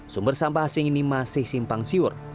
sumber sampah asing ini masih simpang siur